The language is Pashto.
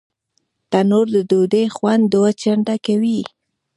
تنور د ډوډۍ خوند دوه چنده کوي